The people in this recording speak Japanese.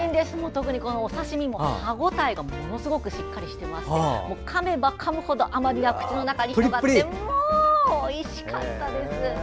特にお刺身、歯応えがものすごくしっかりしていましてかめばかむほど甘みが口の中に広がっておいしかったです。